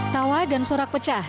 tawa dan sorak pecah